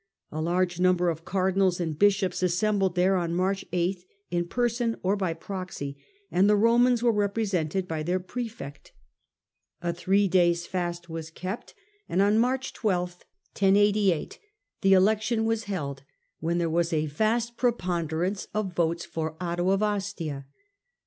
A large number of cardinals and bishops assembled there on March 8 in person or by proxy, and the Romans were represented by their prefect. A three days' fast was kept, and on Digitized by VjOOQIC l60 HiLDEBRAND March 12 the election was held, when there was a vast preponderance of votes for Otto of Ostia.